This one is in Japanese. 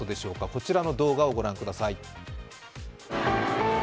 こちらの動画をご覧ください。